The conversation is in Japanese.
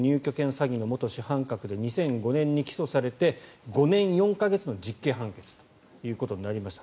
詐欺の元主犯格で２０１５年に起訴されて５年４か月の実刑判決となりました。